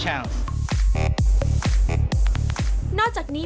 ไม่คลาดเหลือ